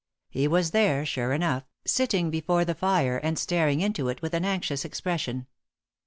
He was there, sure enough, sitting before the fire and staring into it with an anxious expression.